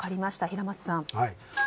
平松さん。